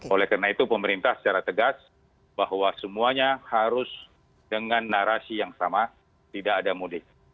oleh karena itu pemerintah secara tegas bahwa semuanya harus dengan narasi yang sama tidak ada mudik